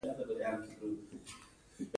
تښتېدلي بندي ته سخته سزا ورکول کېده.